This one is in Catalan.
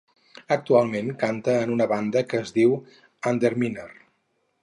Actualment canta en una banda que es diu Underminer.